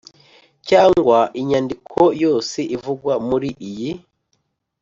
cyangwa inyandiko yose ivugwa muri iyi